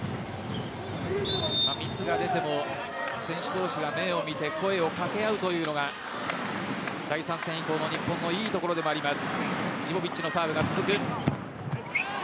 ミスが出ても選手同士が目を見て声を掛け合うというのが第３戦以降の日本のいいところでもあります。